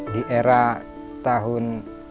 di era tahun dua ribu